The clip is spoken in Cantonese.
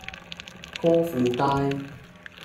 歌賦街